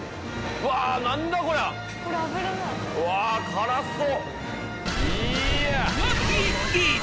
うわ辛そう。